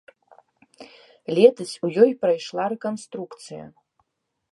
Летась у ёй прайшла рэканструкцыя.